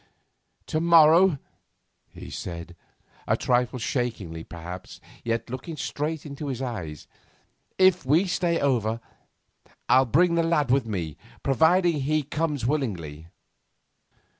'To morrow,' he said, a trifle shakily perhaps, yet looking straight into his eyes. 'If we stay over I'll bring the lad with me provided he comes willingly.